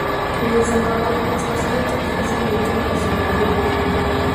En El Salvador, las personas utilizan mucho el voseo al hablar.